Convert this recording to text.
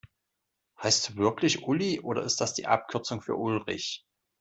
Heißt du wirklich Uli, oder ist das die Abkürzung für Ulrich?